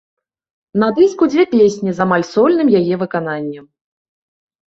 На дыску дзве песні з амаль сольным яе выкананнем.